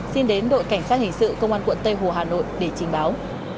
xin đến đội cảnh sát hình sự công an quận tây hồ hà nội để trình báo